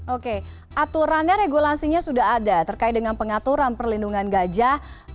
oke aturannya regulasinya sudah ada terkait dengan pengaturan perlindungan gajah